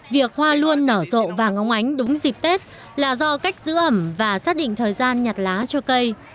việc hoa luôn nở rộ và ngóng ánh đúng dịp tết là do cách giữ ẩm và xác định thời gian nhặt lá cho cây